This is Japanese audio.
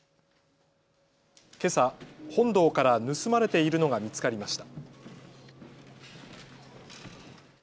けさ本堂から盗まれているのが見つかりました。